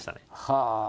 はあ！